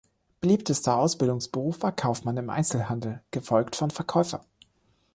Beliebtester Ausbildungsberuf war Kaufmann im Einzelhandel, gefolgt von Verkäufer.